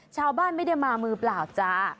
ชาวบ้านไม่ได้มามือเปล่าจ้า